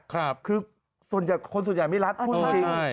ครับคือคนส่วนใหญ่ไม่รัดพูดจริง